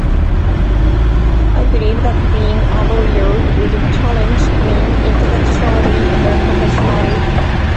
I believe that being a lawyer would challenge me intellectually and professionally.